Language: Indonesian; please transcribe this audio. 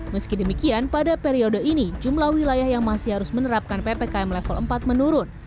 meski demikian pada periode ini jumlah wilayah yang masih harus menerapkan ppkm level empat menurun